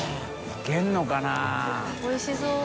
福おいしそう。